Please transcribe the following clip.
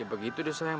ya begitu deh sayang